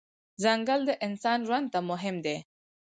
ځنګل د انسان ژوند ته مهم دی.